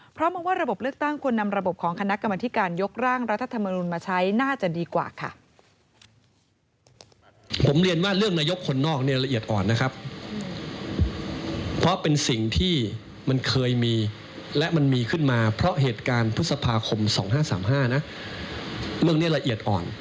เพราะมองว่าระบบเลือกตั้งควรนำระบบของคณะกรรมนาฬิการยกร่างรัฐธรรมนุนมาใช้